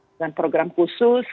dengan program khusus